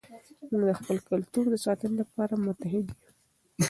موږ د خپل کلتور د ساتنې لپاره متحد یو.